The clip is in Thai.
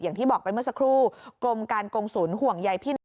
อย่างที่บอกไปเมื่อสักครู่กรมการกงศูนย์ห่วงใยพี่น้อง